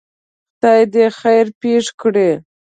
خدای دی خیر پېښ کړي.